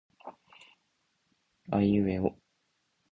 君も私のことが見えるんだね、もしかして君もこっち側の人間なのか？